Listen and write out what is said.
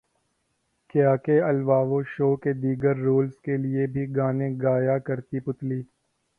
کیا کے الوا وو شو کے دیگر رولز کے لیے بھی گانے گیا کرتی پتلی